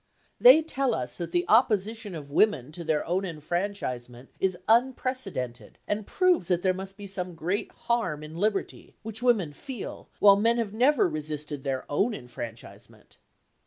They tell us that the opposition of women to their own enfranchisement is unprecedented and proves that there must be some great harm in liberty, which women feel, while men have never resisted their own enfranchisement.